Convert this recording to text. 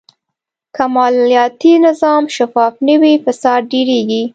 که مالیاتي نظام شفاف نه وي، فساد ډېرېږي.